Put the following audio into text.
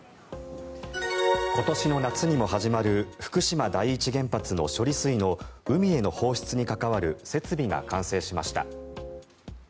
今年の夏にも始まる福島第一原発の処理水の海への放出に関わる設備が完成しました。